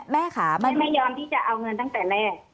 แม่ค่ะไม่ยอมที่จะเอาเงินตั้งแต่แรก